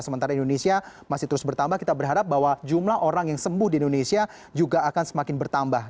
sementara indonesia masih terus bertambah kita berharap bahwa jumlah orang yang sembuh di indonesia juga akan semakin bertambah